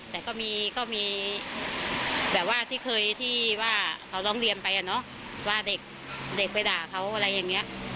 แต่ก็มีแบบว่าที่เคยที่ว่าเขาร้องเรียนไปอะเนาะว่าเด็กไปด่าเขาอะไรอย่างนี้